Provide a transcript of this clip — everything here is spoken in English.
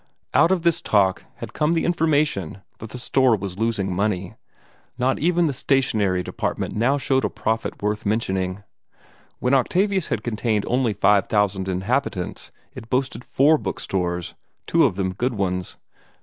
Out of this talk had come the information that the store was losing money. Not even the stationery department now showed a profit worth mentioning. When Octavius had contained only five thousand inhabitants, it boasted four book stores, two of them good ones.